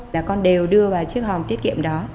là con đều đưa vào chiếc hòm tiết kiệm đó